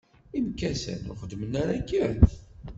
Imekkasen, ur xeddmen ara akken?